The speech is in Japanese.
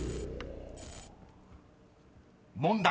［問題］